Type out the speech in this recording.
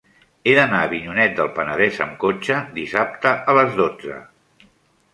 He d'anar a Avinyonet del Penedès amb cotxe dissabte a les dotze.